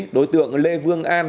đối tượng lê vương an